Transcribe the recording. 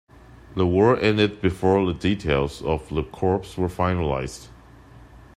The war ended before the details of the corps were finalized.